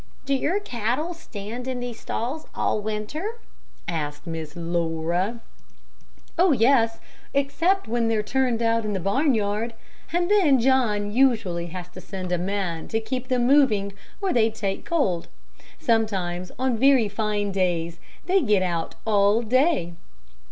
"Do your cattle stand in these stalls all winter?" asked Miss Laura. "Oh, yes, except when they're turned out in the barnyard, and then John usually has to send a man to keep them moving or they'd take cold. Sometimes on very fine days they get out all day.